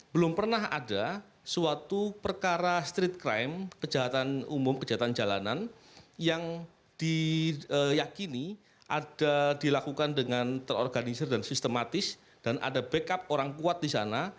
belum pernah ada suatu perkara street crime kejahatan umum kejahatan jalanan yang diyakini ada dilakukan dengan terorganisir dan sistematis dan ada backup orang kuat di sana